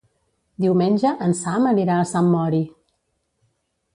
Diumenge en Sam anirà a Sant Mori.